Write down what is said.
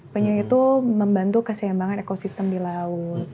penyu itu membantu keseimbangan ekosistem di laut